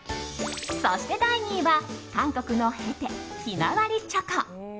そして第２位は、韓国のヘテひまわりチョコ。